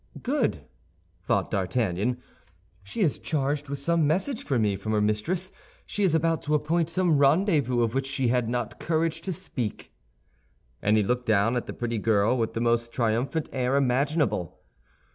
"Good!" thought D'Artagnan, "She is charged with some message for me from her mistress; she is about to appoint some rendezvous of which she had not courage to speak." And he looked down at the pretty girl with the most triumphant air imaginable.